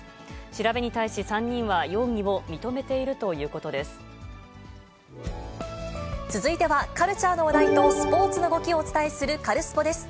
調べに対し、３人は容疑を認めて続いては、カルチャーの話題とスポーツの動きをお伝えするカルスポっ！です。